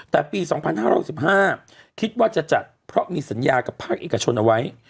แต่ปี๒๕๖๕คิดว่าจะจัดเพราะมีสัญญากับภาคเอกชนเอาไว้